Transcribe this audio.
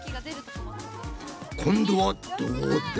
今度はどうだ？